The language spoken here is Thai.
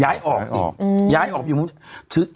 ย้ายออกสิย้ายออกไปอยู่ภูมิใจไทย